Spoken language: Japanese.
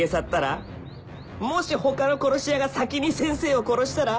もし他の殺し屋が先に先生を殺したら？